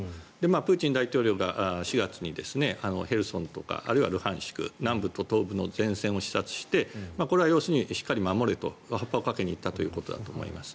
プーチン大統領が４月にヘルソンとかあるいはルハンシク南部と東部の前線を視察してこれは要するにしっかり守れと発破をかけに行ったということだと思います。